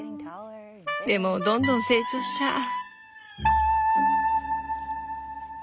でもどんどん成長しちゃう。